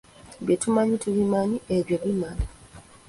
Bye tumanyi tubimanyi, Ebyo bimala.